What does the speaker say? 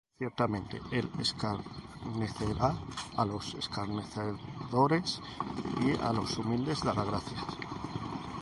Ciertamente él escarnecerá á los escarnecedores, Y á los humildes dará gracia.